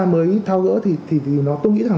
mới thao gỡ thì tôi nghĩ rằng